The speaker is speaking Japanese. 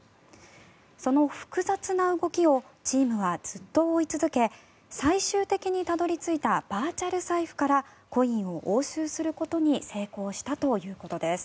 その複雑な動きをチームはずっと追い続け最終的にたどり着いたバーチャル財布からコインを押収することに成功したということです。